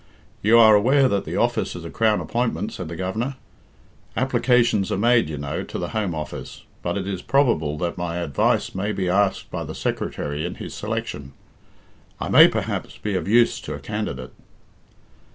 "You are aware that the office is a Crown appointment?" said the Governor. "Applications are made, you know, to the Home Office, but it is probable that my advice may be asked by the Secretary in his selection. I may, perhaps, be of use to a candidate."